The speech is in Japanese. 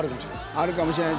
あるかもしれない。